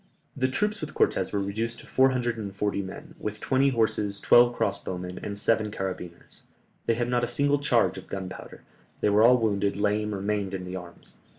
The troops with Cortès were reduced to four hundred and forty men, with twenty horses, twelve cross bowmen, and seven carabineers; they had not a single charge of gunpowder, they were all wounded, lame, or maimed in the arms.